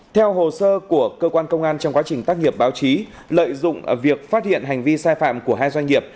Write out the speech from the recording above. theo hồ sơ của cơ quan công an trong quá trình tác nghiệp báo chí lợi dụng việc phát hiện hành vi sai phạm của hai doanh nghiệp